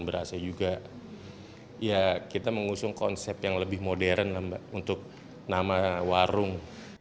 berasa juga ya kita mengusung konsep yang lebih modern lah mbak untuk nama warung